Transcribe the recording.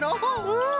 うん！